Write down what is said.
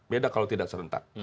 beda kalau tidak serentak